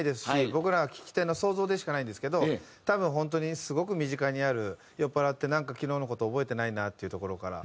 僕ら聴き手の想像でしかないんですけど多分本当にすごく身近にある酔っ払ってなんか昨日の事覚えてないなっていうところから。